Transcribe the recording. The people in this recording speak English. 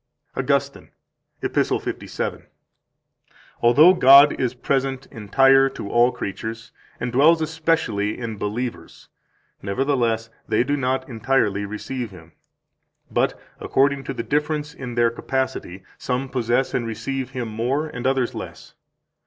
170 AUGUSTINE, Ep. 57: "Although God is present entire to all creatures, and dwells especially in believers, nevertheless they do not entirely receive Him, but, according to the difference in their capacity, some possess and receive Him more, and others less.